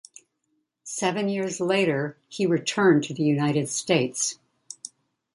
Seven years later he returned to the United States.